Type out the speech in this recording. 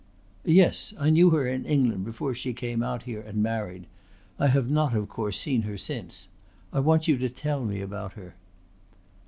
"Yes. I knew her in England before she came out here and married. I have not, of course, seen her since. I want you to tell me about her."